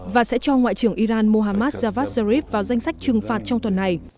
và sẽ cho ngoại trưởng iran mohammad javad zarif vào danh sách trừng phạt trong tuần này